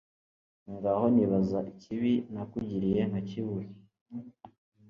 ngahora nibaza ikibi nakugiriye nkakibura